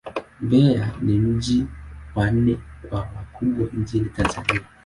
Mbeya ni mji wa nne kwa ukubwa nchini Tanzania.